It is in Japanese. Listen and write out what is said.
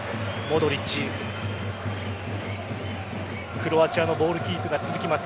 クロアチアのボールキープが続きます。